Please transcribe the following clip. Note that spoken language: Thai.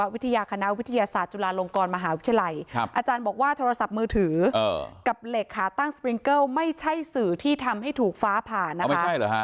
มันเป็นข้อมูลที่ทำให้ถูกฟ้าผ่านะคะ